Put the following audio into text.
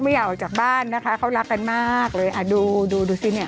อยากออกจากบ้านนะคะเขารักกันมากเลยอ่ะดูดูดูสิเนี่ย